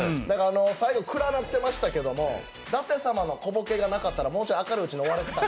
最後、暗くなってましたけど、舘様の小ボケがなかったらもうちょい明るいうちに終われてた。